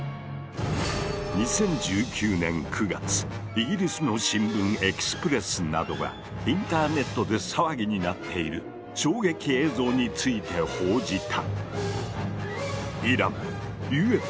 イギリスの新聞「ＥＸＰＲＥＳＳ」などがインターネットで騒ぎになっている衝撃映像について報じた。